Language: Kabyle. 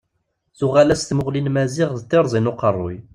Tuɣal-as tmuɣli n Maziɣ d tirẓi n uqerruy.